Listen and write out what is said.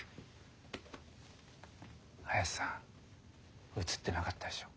林さん映ってなかったでしょ。